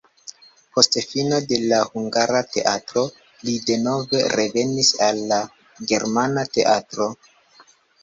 Post fino de la hungara teatro li denove revenis al la germana teatro.